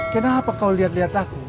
kenapa kau liat liat aku